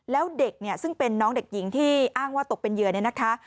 แล้วเด็กเนี่ยซึ่งเป็นน้องเด็กหญิงที่อ้างว่าตกเป็นเหยื่อเนี่ยนะคะ